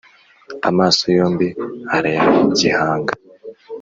Amaso yombi arayagihanga